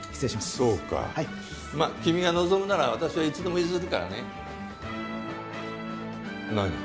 そうかまっ君が望むなら私はいつでも譲るからね何？